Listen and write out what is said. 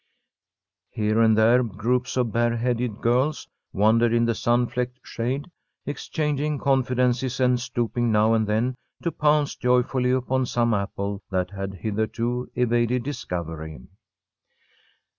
Here and there groups of bareheaded girls wandered in the sun flecked shade, exchanging confidences and stooping now and then to pounce joyfully upon some apple that had hitherto evaded discovery.